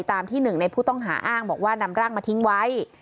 ที่หนึ่งในผู้ต้องหาอ้างบอกว่านำร่างมาทิ้งไว้